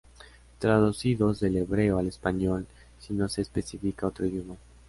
Traducidos del hebreo al español si no se especifica otro idioma